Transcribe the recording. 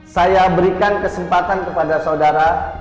saya berikan kesempatan kepada saudara